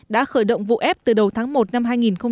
đã khởi động vụ ép từ đầu tháng một năm hai nghìn một mươi chín